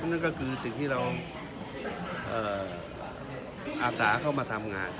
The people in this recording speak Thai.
นั่นก็คือสิ่งที่เราอาสาเข้ามาทำงาน